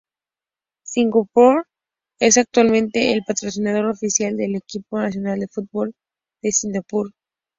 Singapore Airlines es actualmente el patrocinador oficial del equipo nacional de fútbol de Singapur.